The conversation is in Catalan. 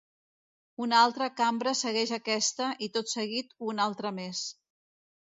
Una altra cambra segueix aquesta, i tot seguit una altra més.